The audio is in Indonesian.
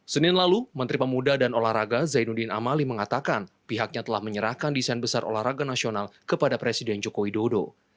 senin lalu menteri pemuda dan olahraga zainuddin amali mengatakan pihaknya telah menyerahkan desain besar olahraga nasional kepada presiden joko widodo